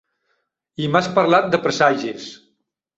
I m'has parlat de presagis.